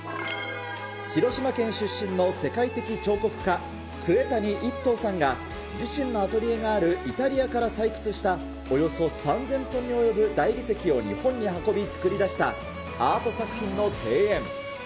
広島県出身の世界的彫刻家、杭谷一東さんが、自身のアトリエがあるイタリアから採掘したおよそ３０００トンに及ぶ大理石を日本に運び作り出したアート作品の庭園。